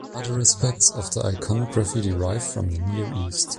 Other aspects of the iconography derive from the Near East.